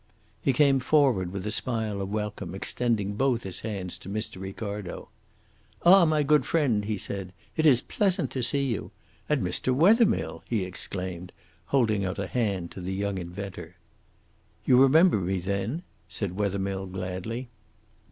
He came forward with a smile of welcome, extending both his hands to Mr. Ricardo. "Ah, my good friend," he said, "it is pleasant to see you. And Mr. Wethermill," he exclaimed, holding a hand out to the young inventor. "You remember me, then?" said Wethermill gladly.